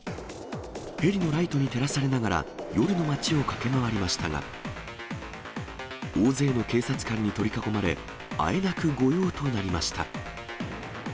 ヘリのライトに照らされながら、夜の町を駆け回りましたが、大勢の警察官に取り囲まれ、あえなく御用となりました。